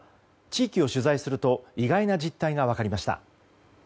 地域を取材すると意外な実態が分かりました。